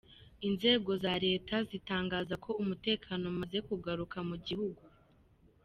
Inzego za leta zo zitangaza ko umutekano umaze kugaruka mu gihugu.